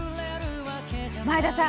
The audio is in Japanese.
前田さん